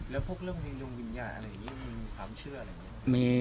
แล้วพวกเรื่องในดวงวิญญาณอะไรอย่างนี้มันมีความเชื่ออะไรไหม